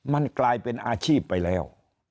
มันกลายเป็นอาชีพไปแล้ว